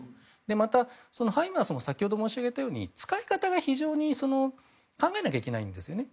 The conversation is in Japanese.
またハイマースも先ほど申し上げたように使い方を非常に考えなきゃいけないんですよね。